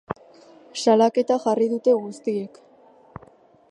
Salaketa jarri dute guztiek.